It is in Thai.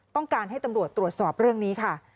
ต้องการให้ตำรวจตรวจสอบเรื่องนี้ค่ะ